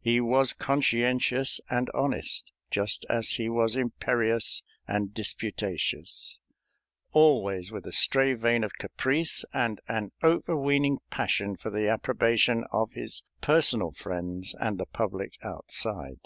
He was conscientious and honest, just as he was imperious and disputatious; always with a stray vein of caprice and an overweening passion for the approbation of his personal friends and the public outside.